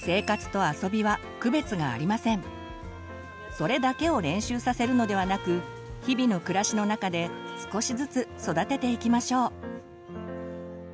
それだけを練習させるのではなく日々の暮らしの中で少しずつ育てていきましょう。